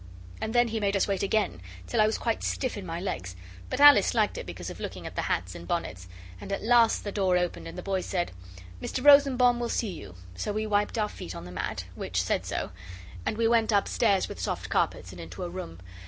And then he made us wait again, till I was quite stiff in my legs, but Alice liked it because of looking at the hats and bonnets, and at last the door opened, and the boy said 'Mr Rosenbaum will see you,' so we wiped our feet on the mat, which said so, and we went up stairs with soft carpets and into a room.